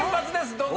どうぞ。